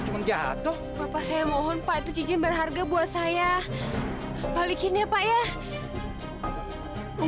cuman jahat tuh bapak saya mohon pak itu cincin berharga buat saya balikinnya pak itu cincin yang